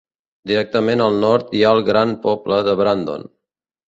Directament al nord hi ha el gran poble de Brandon.